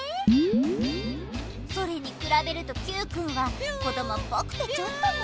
それにくらべるとＱくんはこどもっぽくてちょっとね。